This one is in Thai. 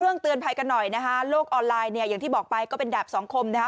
เตือนภัยกันหน่อยนะคะโลกออนไลน์เนี่ยอย่างที่บอกไปก็เป็นดาบสองคมนะคะ